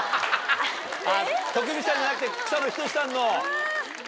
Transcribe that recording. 徳光さんじゃなくて草野仁さんの。